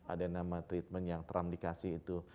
ada yang namanya treatment yang terang dikasih itu